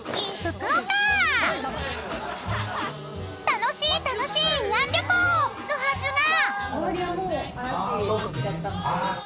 ［楽しい楽しい慰安旅行！のはずが］